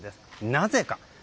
なぜか？